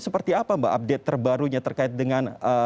seperti apa mbak update terbarunya terkait dengan